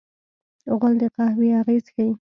غول د قهوې اغېز ښيي.